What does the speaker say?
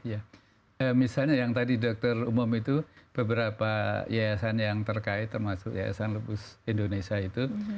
ya misalnya yang tadi dokter umum itu beberapa yayasan yang terkait termasuk yayasan lupus indonesia itu